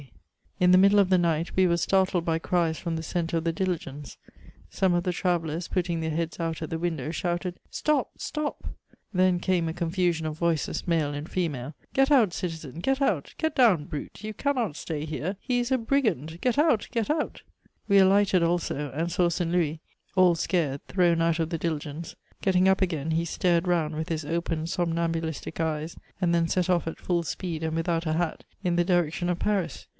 In the middle of the night, we were startled by cries finom the centre of the diligence ; some of the travellers, {>utting their heads out at the window, shouted '* Stop, stop I" then came a confusion of voices, male and female :^' Get out, citizen, get out ! get down, brute, you cannot stay here ! he is a brigand I get out, get out !" We alighted also, and saw St. Louis, all scared, thrown out of the diligence; getting up again, he stared round with his open, somnambulistic eyes, and then set off at full speed, and without a hat, in the direction of Paris.